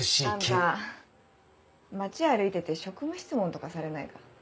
あんた街歩いてて職務質問とかされないか？